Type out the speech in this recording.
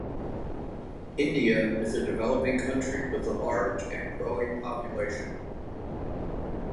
India is a developing country with a large and growing population.